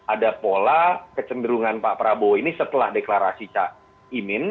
ada pola kecenderungan pak prabowo ini setelah deklarasi cak imin